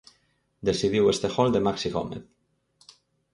Decidiu este gol de Maxi Gómez.